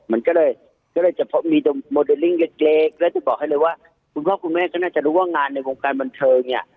มันก็เลยก็เลยจะมีโมเดลลิ่งเล็กแล้วจะบอกให้เลยว่าคุณพ่อคุณแม่ก็น่าจะรู้ว่างานในวงการบันเทิงเนี่ย